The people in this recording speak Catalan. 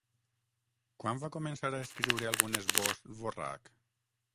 Quan va començar a escriure algun esbós Dvořák?